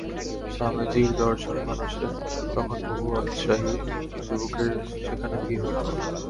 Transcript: স্বামীজীর দর্শনমানসে তখন বহু উৎসাহী যুবকের সেখানে ভিড় হইত।